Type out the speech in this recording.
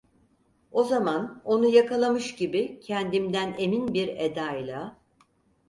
O zaman onu yakalamış gibi kendimden emin bir edayla: